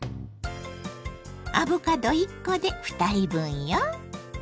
アボカド１コで２人分よ。